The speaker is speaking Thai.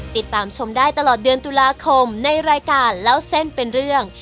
ติดตามชมได้ตลอดเดือนตุลาคมในรายการเล่าเส้นเป็นเรื่อง